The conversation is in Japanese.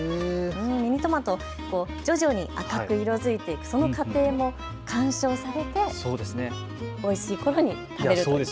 ミニトマト、徐々に赤く色づいてその過程も観賞されて、おいしいころに食べると。